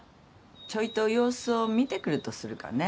ちょいと様子を見てくるとするかね。